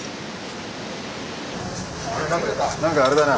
なんかあれだな。